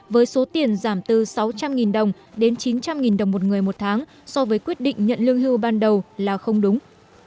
với số tiền giảm từ sáu trăm linh đồng đến chín trăm linh đồng một người một tháng so với quyết định nhận lương hưu ban đầu là không đúng